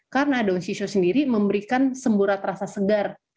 karena daun shisho sendiri memberikan semburat rasa segar